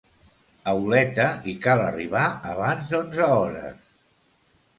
A Oleta, hi cal arribar abans d'onze hores.